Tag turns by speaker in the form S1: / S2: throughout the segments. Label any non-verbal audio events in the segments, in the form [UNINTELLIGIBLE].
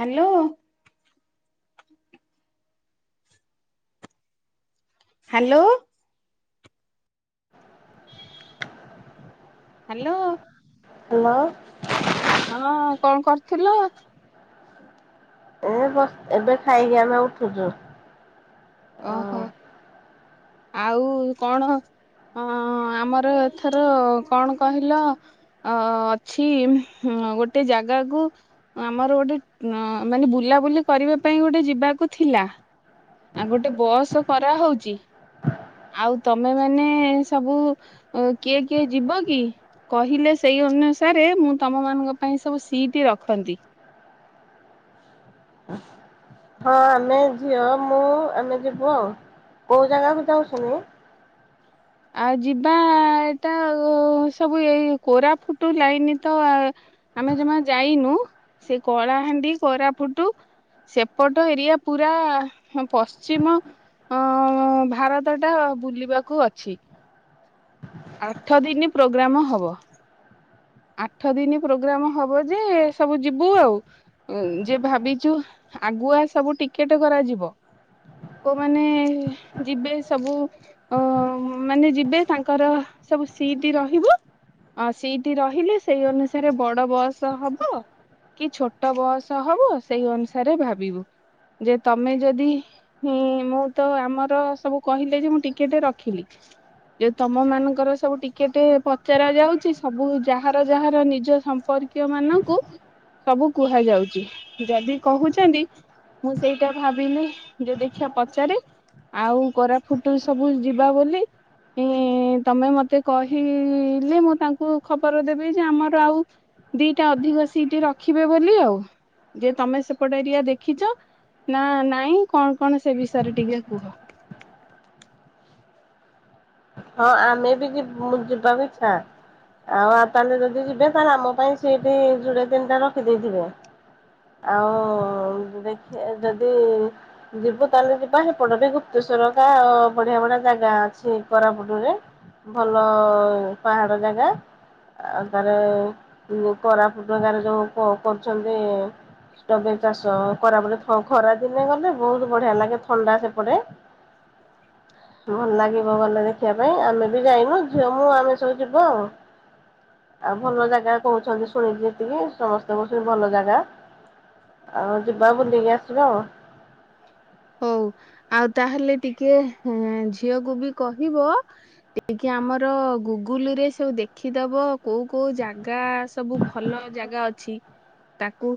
S1: Hello hello
S2: [UNINTELLIGIBLE]
S1: hello.
S2: Hello.
S1: ହଁ କଣ କରଥିଲ।
S2: ଏ ବସ ଏବେ ଖାଇକି ଆମେ ଉଠୁଛୁ।
S1: ଓହୋ। ଆଉ କଣ ଅ ଆମର ଏଥର କଣ କହିଲ ଅ ଅଛି ଗୋଟେ ଜାଗାକୁ ଆମର ଗୋଟେ ମାନେ ବୁଲାବୁଲି କରିବା ପାଇଁ ଗୋଟେ ଯିବାକୁ ଥିଲା। ଆ ଗୋଟେ ବସ୍ କରାହଉଛି ଆଉ ତମେ ମାନେ ସବୁ କିଏ କିଏ ଯିବ କି କହିଲେ ସେଇ ଅନୁସାରେ ମୁଁ ତମ ମାନଙ୍କ ପାଇଁ ସବୁ ସିଟ ରଖନ୍ତି।
S2: ହଁ ଆମେ ଝିଅ ମୁଁ ଆମେ ଯିବୁ ଆଉ କୋଉ ଜାଗାକୁ ଯାଉଛୁନି।
S1: ଆଉ ଯିବା ଏଟା ସବୁ ଏଇ କୋରାଫୁଟୁ ଲାଇନ ତ ଆମେ ଜମା ଯାଇନୁ ସେ କଳାହାଣ୍ଡି କୋରାପୁଟୁ ସେପଟ ଏରିଆ ପୁରା ପଶ୍ଚିମ ଭାରତ ଟା ବୁଲିବାକୁ ଅଛି। ଆଠ ଦିନ ପ୍ରୋଗ୍ରାମ ହବ। ଆଠ ଦିନ ପ୍ରୋଗ୍ରାମ ହବ ଯେ ସବୁ ଯିବୁ ଆଉ ଯେ ଭାବିଛୁ ଆଗୁଆ ସବୁ ଟିକେଟ କରାଯିବ କୌମାନେଯିବେ ସବୁ ମାନେ ଯିବେ ତାଙ୍କର ସବୁ ସିଟ ରହିବ ସି। ରହିଲେ ସେଇ ଅନୁସାରେ ବଡ ବସ୍ ହବ କି ଛୋଟ ବସ୍ ହବ ସେଇ ଅନୁସାରେ ଭାବିବୁ ଯେ ତମେ ଯଦି ମୁଁ ତ ଆମର ସବୁ କହିଲେ ଯେ ମୁଁ ଟିକେଟ ରଖିଲି ଯେ ତମ ମାନଙ୍କର ସବୁ ଟିକେଟ ପଚାର ଯାଉଛି। ସବୁ ଯାହାର ଯାହାର ନିଜ ସମ୍ପର୍କୀୟ ମାନଙ୍କୁ ସବୁ କୁହାଯାଉଛି ଯଦି କହୁଛନ୍ତି ମୁଁ ସେଇଟା ଭାବିଲି ଯ ଦେଖିବା ପଚାରେ ଆଉ କୋରା ଫୁଟରୁ ସବୁ ଯିବା ବୋଲି ତମେ ମତେ କହିଲେ ମୁଁ ତା। କୁ ଖବର ଦେବି ଯେ ଆମର ଆଉ ଦିଟା ଅଧିକ ସିଟ ରଖିବେ ବୋଲି ଆଉ ଯେ ତମେ ସେପଟେ ଏରିଆ ଦେଖିଛ ନା ନାଇଁ କଣ କଣ ସେ ବିଷୟରେ ଟିକେ କୁହ।
S2: ହଁ ଆମେ ବି ଯି ଯିବାକୁ ଇଚ୍ଛା ଆଉ ଆଉ ତାହେଲେ ଯଦି ଯିବେ ତାହେଲେ ଆମ ପାଇଁ ସେଇଠି ଯୋଡା ତିନିଟା ରଖିଦେଇଥିବେ ଆଉ ଦେଖ ଯଦି ଯିବୁ ତାହେଲେ ଯିବା ସେପଟ ବି ଗୁପ୍ତେଶ୍ୱର କା ବଢିଆ ବଢିଆ ଜାଗା ଅଛି। କୋରାପୁଟରେ ଭଲ ପାହାଡ଼ ଜାଗା ଆଉ ତାର କୋରାପୁଟ ଗ ଯୋଉ କରୁଛନ୍ତି ଷ୍ଟବେର ଚାଷ କୋରାପୁଟ ଖରା ଦିନେ ଗଲେ ବହୁତ ବଢିଆ ଲାଗେ ଥଣ୍ଡା ସେପଟେ ଭଲ ଲାଗେ। ଗଲେ ଦେଖିବା ପାଇଁ ଆମେ ବି ଯାଇନୁ ଝିଅ ମୁ ଆମେ ସବୁ ଯିବା ଆଉ ଆଉ ଭଲ ଜାଗା କହୁଛନ୍ତି ଶୁଣିକି ଯେତିକି ସମସ୍ତେ କହୁଛନ୍ତି ଭଲ ଜାଗା ଆଉ ଯିବା ବୁଲିକି ଆସିବା ଆଉ।
S1: ହଉ ଆଉ ତାହେଲେ ଟିକେ ଝିଅକୁ ବି କହିବ ଟିକେ ଆମର ଗୁଗୁଲ ରେ ସବୁ ଦେଖିଦବ କୋଉ କୋଉ ଜାଗା ସବୁ ଭଲ ଜାଗା ଅଛି ତାକୁ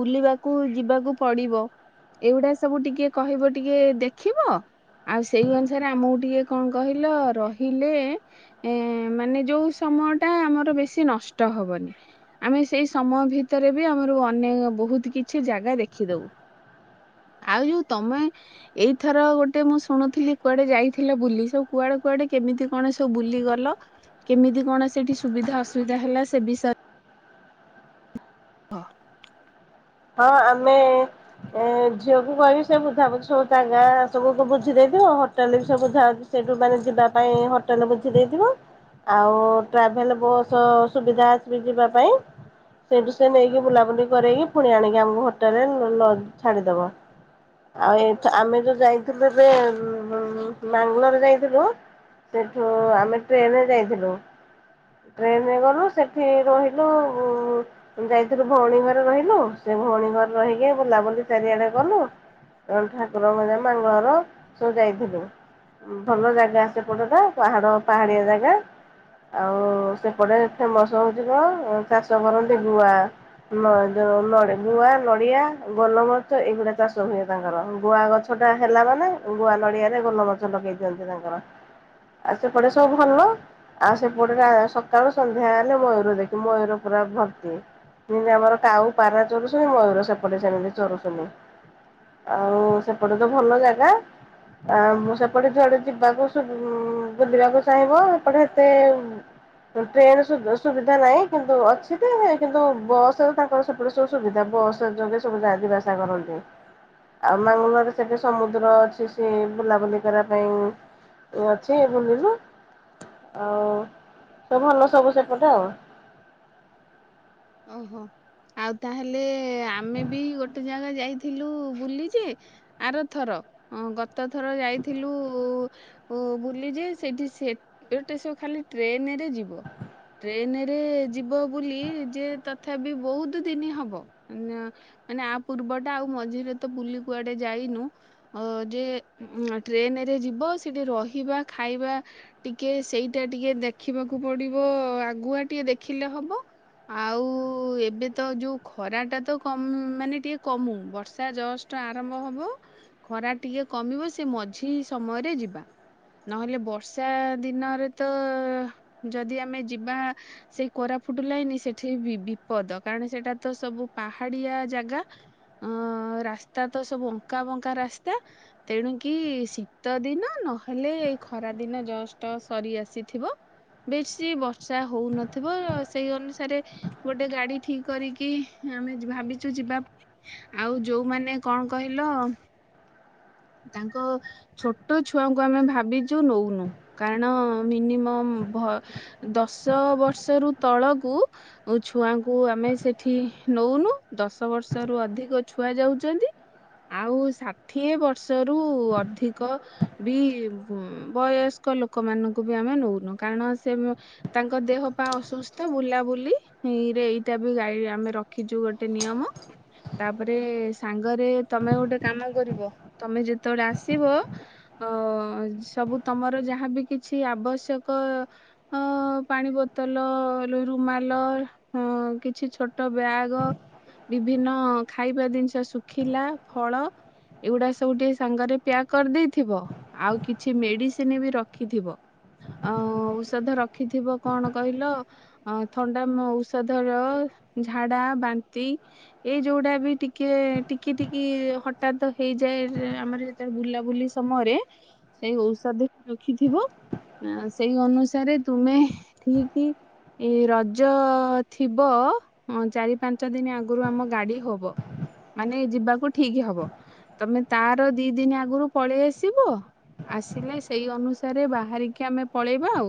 S1: ବୁଲିବାକୁ ଯିବାକୁ। ପଡିବ ଏଗୁଡା ସବୁ ଟିକେ କହିବ ଟିକେ ଦେଖିବ ଆଉ ସେଇ ଅନୁସାରେ ଆମକୁ ଟିକେ କଣ କହିଲ ରହିଲେ ଏ ମାନେ ଯୋଉ ସମୟ ଟା ଆମର ବେଶୀ ନଷ୍ଟ ହବନି ଆମେ ସେଇ ସମୟ ଭିତରେ ବି ଆମର ଅନେକ ବହୁତ କିଛି ଜାଗା ଦେଖ। ଦେଖିଦବୁ ଆଉ ଯୋଉ ତମେ ଏଇଥର ଗୋଟେ ମୁଁ ଶୁଣୁଥିଲି କୁଆଡେ ଯାଇଥିଲା ବୁଲି ସବୁ କୁଆଡେ କୁଆଡେ କେମିତି କଣ ସବୁ ବୁଲି ଗଲ କେମିତି କଣ ସେଠି ସୁବିଧା ଅସୁବିଧା ହେଲା ସେ ବିଷୟରେ। ହ।
S2: ହଁ ଆମେ ଝିଅକୁ କହିବି ସେ ବୁଝାାବୁଛି ସବୁ ଜାଗା ସବୁ ବୁଝି ଦେଇଥିବ ହୋଟେଲ ବି ସବୁ ବୁଝଛି ସେଇଠୁ ମାନେ ଯିବା ପାଇଁ ହୋଟେଲ ବୁଝି ଦେଇଥିବ ଆଉ ଟ୍ରାଭେଲ ବସ୍ ସୁବିଧା ଆସିବ ଯିବା ପାଇଁ ସେଇଠୁ ସେ ନେଇକି ବୁଲାବୁଲି କରକି। ପୁଣି ଆଣିକି ଆମକୁ ହୋଟେଲରେ ଛାଡ଼ିଦେବ ଆଉ ଏ ଆମେ ଯେଉଁ ଯାଇଥିଲୁ ଏବେ ମାଙ୍ଗଲୋର ଯାଇଥିଲୁ ସେଠୁ ଆମେ ଟ୍ରେନରେ ଯାଇଥିଲୁ ଟ୍ରେନରେ ଗଲୁ ସେଠି ରହିଲୁ ଯାଇଥିଲୁ ଭଉଣୀ ଘରେ ରହିଲୁ। ସେ ଭଉଣୀ ଘର ରହିକି ବୁଲାବୁଲି ଚାରିଆଡେ କଲୁ ଠାକୁରଙ୍କ ଯା ମାଙ୍ଗଳର ସବୁ ଯାଇଥିଲୁ ଭଲ ଜାଗା ସେପଟେଟା ପାହାଡ଼ ପାହାଡିଆ ଜାଗା ଆଉ ସେପଟେ ଫେମସ ହଉଛି କଣ ଚାଷବର ଡିିବୁଆ ଗୁଆ ନଡିଆ ଗୋଲମଛ ଏଇଗୁଡା ଚାଷ ହୁଏ ତାଙ୍କର ଗୁଆ ଗଛ ଟା ହେଲା ମାନେ ଗୁଆ ନଡିଆରେ ଗୋଲମଛ ଲଗେଇ ଦିଅନ୍ତି ତାଙ୍କର ଆଉ ସେପଟେ ସବୁ ଭଲ ଆଉ ସେପଟେ ସକାଳୁ ସନ୍ଧ୍ୟା ହେଲେ ମୟୂର ଦେଖି ମୟୂର ପୁରା ଭର୍ତ୍ତିତି ଆମର କାଉ ପାରା ଚୁୀ ମୟୂର ସେପଟେ ଚାହିି ଚରୁସୁଣୀ ଆଉ ସେପଟେ ତ ଭଲ ଜାଗା ଆ ସେପଟେ ଯଆଡେ ଯିବାକୁ ବୁଲିବାକୁ ଚାହିଁବ ସେପଟେ ଏତେ ଟ୍ରେନ ସୁବିଧା ନାହିଁ କିନ୍ତୁ ଅଛି ତ କିନ୍ତୁ ବସ ତାଙ୍କର ସେପଟ ସୁ ସୁବିଧା ବସ ଯୋଗେ ସବୁ ଯଦିବାସା କରନ୍ତି ଆଉ ମାଙ୍ଗଲରେ ସେଠ ସମୁଦ୍ର ଅଛି ସ ବୁଲାବୁଲି କରିବା ପାଇଁ ଅଛି ବୁଲିଲୁ ଆଉ ସ ଭଲ ସବୁ ସେପଟେ ଆଉ।
S1: ଓହୋ ଆଉ ତାହେଲେ ଆମେ ବି ଗୋଟେ ଜାଗା ଯାଇଥିଲୁ ବୁଲିଛି ଆରଥର ତ ଥର ଯାଇଥିଲୁ। ଓ ବୁଲି ଯେ ସେଠି ସେଟ ଖାଲି ଟ୍ରେନରେ ଯିବ ଟ୍ରେନରେ ଯିବ ବୁଲି। ଯେ ତଥାପି ବହୁତ ଦିନ ହବ ମାନେ ଆ ପୂର୍ବଟା ଆଉ ମଝିରେ ତ ବୁଲି କୁଆଡେ ଯାଇନୁ ଯେ ଟ୍ରେନରେ ଯିବ ସେଠି ରହିବା ଖାଇବା ଟିକେ ସେଇଟା ଟିକେ ଦେଖିବାକୁ ପଡିବ ଆଗୁଆ ଟିକେ ଦେଖିଲେ ହବ। ଆଉ ଏବେ ତ ଯୋଉ ଖରାଟା ତ ମାନେ ଟିକେ କମୁ ବର୍ଷା ଜଷ୍ଟ ଆରମ୍ଭ ହବ ଖରା ଟିକେ କମିବ ସେ ମଝି ସମୟରେ ଯିବା ନହେଲେ ବର୍ଷା ଦିନରେ ତ ଯଦି ଆମେ ଯିବା ସେଇ କରା ଫୁଟିଲାନି ସେଠ ଏଠ ବିପଦ କାରଣ ସେଟା ତ ସବୁ ପାହାଡିଆ ଜାଗା ଅ ରାସ୍ତା ତ ସବୁ ଅଙ୍କା ବଙ୍କା ରାସ୍ତା ତେଣୁକି ଶୀତ ଦିନ ନହେଲେ ଏଇ ଖରା ଦିନ ଜଷ୍ଟ ସରି ଆସିଥିବ ବେଶୀ ବର୍ଷା ହଉନଥିବ ସେଇ ଅନୁସାରେ ଗୋଟେ ଗାଡି ଠିକ କରିକି ଆମେ ଭାବିଛୁ ଯିବା ପାଇଁ ଆଉ ଯୋଉମାନେ କଣ କହିଲ। ତାଙ୍କ ଛୋଟ ଛୁଆଙ୍କୁ ଆମେ ଭାବିଛୁ ନଉନୁ କାରଣ ମିନିମମ ଦଶ ବର୍ଷରୁ ତଳକୁ ଛୁଆଙ୍କୁ ଆମେ ସେଠି ନଉନୁ ଦଶ ବର୍ଷରୁ ଅଧିକ ଛୁଆ ଯାଉଛନ୍ତି ଆଉ ଷାଠିଏ ବର୍ଷ ବର୍ଷ ର ଅଧିକ ବି ବୟସ୍କ ଲୋକମାନାନଙ୍କୁ ବି ଆମେ ନଉନୁ କାରଣ ସେ ତାଙ୍କ ଦେହ ପା ଅସୁସ୍ଥ ବୁଲାବୁଲିରେ ଏଇଟା ବି ଗାଈ ଆମେ ରଖିଛୁ ଗୋଟେ ନିୟମ ତାପରେ ସାଙ୍ଗରେ ତମେ ଗୋଟେ କାମ କରିବ। ତମେ ଯେତେବେଳେ ଆସିବ ଅ ସବୁ ତମର ଯାହାବ କିଛି ଆବଶ୍ୟକ ପାଣି ବୋତଲ ରୁମାଲ କିଛି ଛୋଟ ବ୍ୟାଗ ବିଭିନ୍ନ ଖାଇବା ଜିନିଷ ଶୁଖିଲା ଫଳ ଏଗୁଡ଼ା ସବୁ ଟିକେ ସାଙ୍ଗରେ ପ୍ୟାକ୍ କରିଦେଇଥିବ ଆଉ କିଛି ମେଡିସିନ ବି ରଖିଥିବ ଆ ଔଷଧ ରଖିଥିବ କଣ କହିଲ ଥଣ୍ଡା ଔଷଧର ଝାଡା ବାନ୍ତି ଏଇ ଯୋଉଟା ବି ଟିକେ ଟିକେ ଟିକେ ହଠାାତ ହେଇଯ। ସେ ଆମର ଯେତେବେଳେ ବୁଲାବୁଲି ସମୟରେ ସେଇ ଔଷଧ ରଖିଥିବ ସେଇ ଅନୁସାରେ ତୁମେ ଠିକ ରଜ ଥିବ ଚାରି ପାଞ୍ଚ ଦିନ ଆଗରୁ ଆମ ଗାଡି ହବ ମାନେ ଯିବାକୁ ଠିକ ହବ। ତମେ ତାର ଦି ଦିନ ଆଗରୁ ପଳେଇ ଆସିବ ଆସିଲେ ସେଇ ଅନୁସାରେ ବାହାରିକି ଆମେ ପଳେଇବା ଆଉ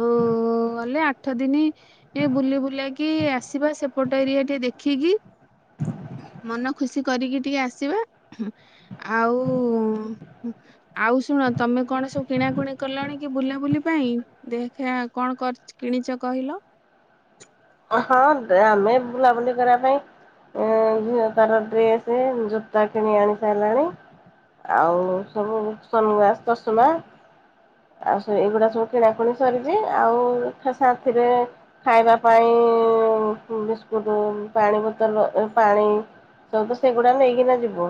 S1: ଓ ଗଲେ ଆଠ ଦିନ ବୁଲି ବୁଲାକି ଆସିବା ସେପଟ ଏଆ ଟିକେ ଦେଖିକି ମନ ଖୁସି କରିକି ଟିକେ ଆସିବା। ଆଉ ଆଉ ଶୁଣ ତମେ କଣ ସବୁ କିଣାକୁଣି କଲଣି କି ବୁଲାବୁଲି ପାଇଁ ଦେଖ କଣ କିଣିଛ କହିଲ।
S2: ହଁ ଆମେ ବୁଲାବୁଲି କରିବା ପାଇଁ ତାର ଡ୍ରେସ୍ ଜୋତା କିଣି ଆଣି ସାରିଲାଣି ଆଉ ସବୁ ସନଗାସ ଚଷମା ଆଉବ ଏଗୁଡ଼ା ସବୁ କିଣାକଣି ସରିଛି ଆଉ ସାଥିରେ ଖାଇବା। ପାଇଁ ବିସ୍କୁଟ ପାଣି ବୋତଲ ପାଣି ସବୁ ତ ସେଗୁଡ଼ା ନେଇକିନା ଯିବୁ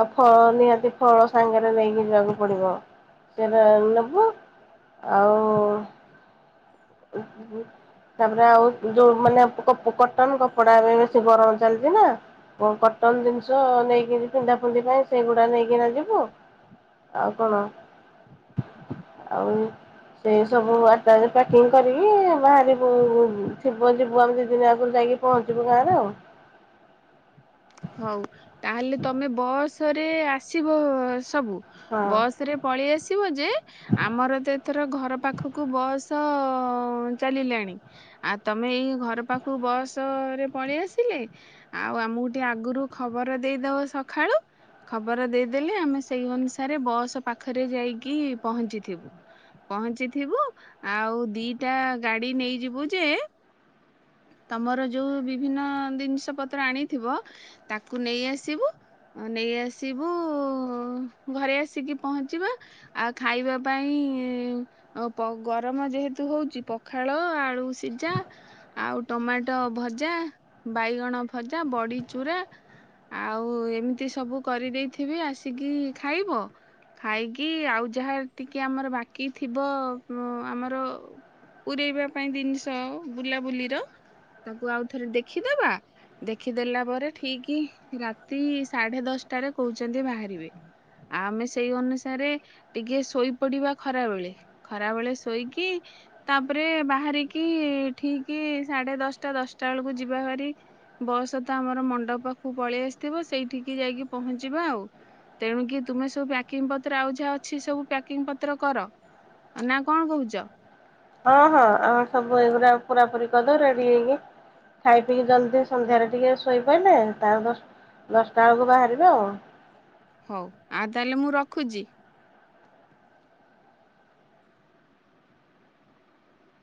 S2: ଆଉ ଫ ନିହାତି ଫଳ ସାଙ୍ଗରେ ନେଇକି ଯିବାକୁ ପଡ଼ିବ ସେଟା ନେବୁ ଆଉ। ତାପରେ ଆଉ ଯୋଉ ମାନେ କଟନ କପଡା ଏ ବେଶୀ ଗରମ ଚାଲିଛି ନା କଟନ ଜିନିଷ ନେଇକି ପିନ୍ଧା ଫୁନ୍ଧି ପାଇଁ ସେଇଗୁଡା ନେଇକିନା ଯିବୁ ଆଉ କଣ ଆଉ। ସେଇ ସବୁ ଆଟ। କରିକି ବାହାରିବୁ ଥିବ ଯିବୁ ଆମେ ଦି ଦିନ ଆଗରୁ ଯାଇକି ପହଞ୍ଚିବୁ ଗାଁରେ ଆଉ।
S1: ହଉ ତାହେଲେ ତମେ ବସ ଥରେ ଆସିବ ସବୁ
S2: ହଁ
S1: ବସ ରେ ପଳେଇ ଆସିବ ଯେ ଆମର ତ ଏଥର ଘର ପାଖକୁ ବସ ତ ଚାଲିଲାଣି ଆଉ ତମେ ଏଇ ଘର ପାଖକୁ ବସ ରେ ପଳେଇ ଆସିଲେ ଆଉ ଆମ ଆଗରୁ ଖବର ଦେଇଦବ ସକାଳୁ ଖବର ଦେଇଦେଲେ ଆମେ ସେଇ ଅନୁସାରେ ବସ ପାଖରେ ଯାଇକି ପହଞ୍ଚିଥିବୁ ପହଞ୍ଚିଥିବୁ ଆଉ ଦିଟା ଗାଡି ନେଇଯିବୁ ଯେ ତମର ଯୋଉ ବିଭିନ୍ନ ଜିନିଷ ପତ୍ର ଆଣିଥିବ ତାକୁ ନେଇଆସିବୁ ନେଇ ଆସିବୁ ଘରେ ଆସିକି ପହଞ୍ଚିବା ଆଉ ଖାଇବା ପାଇଁ ଗରମ ଯେହେତୁ ହଉଛି ପଖାଳ ଆଳୁ ସିଝା ଆଉ ଟମାଟୋ ଭଜା ବାଇଗଣ ଭଜା ବଡ଼ି ଚୁରା ଆଉ ଏମିତି ସବୁ କରିଦେଇଥିବି ଆସିକି ଖାଇବ ଖାଇକି ଆଉ ଯାହା ଟିକେ ଆମର ବାକି ଥିବ ଆମର ପୂରେଇବା ପାଇଁ ଜିନିଷ ବୁଲାବୁଲି ତାକୁ ଆଉ ଥରେ ଦେଖିଦବା ଦେଖିଦେଲା ପରେ ଠିକ ରାତି ସାଢେ ଦଶଟାରେ କହୁଛନ୍ତି ବାହାରିବେ ଆଉ ଆମେ ସେଇ ଅନୁସାରେ ଟିକେ ଶୋଇପଡିବା ଖରା ବେଳେ ଖରା ବେଳେ ଶୋଇକି ତାପରେ ବାହାରିକି ଠିକ କି ସାଢେ ଦଶଟା ଦଶଟା ବେଳକୁ ଯିବା ଭାରି ବସ ତ ଆମର ମଣ୍ଡପ ପାଖକୁ ପଳେଇ ଆସିଥିବ ସେଇଠିକି ଯାଇକି ପହଞ୍ଚିବା ଆଉ ତେଣୁ କିି ତୁମେ ସବୁ ପ୍ୟାକିଙ୍ଗ ପତ୍ର ଆଉ ଯାହା ଅଛି ସବୁ ପ୍ୟାକିଂ ପତ୍ର କର ନା କଣ କହୁଛ।
S2: ହଁ ହଁ ଆମେ ସବୁ ଏଇଗୁଡା ପୁରା ପୁ କରିଦଉ ରେଡି ହେଇକି ଖାଇ ପିଇି ଜଲ୍ଦି ସନ୍ଧ୍ୟାରେ ଟିକେ ଶୋଇପାରିଲେ ତା ଦଶଟା ବେଳକୁ ବାହାରିବେ ଆଉ
S1: ହଉ ଆଉ ତାହେଲେ ମୁଁ ରଖୁଛି।